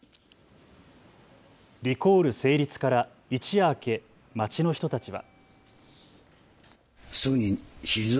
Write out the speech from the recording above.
リコール成立から一夜明け町の人たちは。